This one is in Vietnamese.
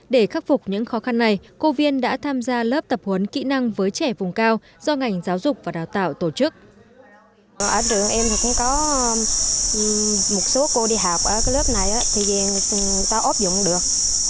để khắc phục những khó khăn này cô viên đã tham gia lớp tập huấn kỹ năng với trẻ vùng cao do ngành giáo dục và đào tạo tổ chức